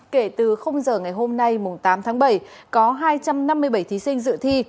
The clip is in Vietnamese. kể từ giờ ngày hôm nay tám tháng bảy có hai trăm năm mươi bảy thí sinh dự thi